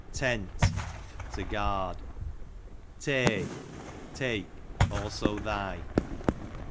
Tent, to guard. Tey, take; also thy.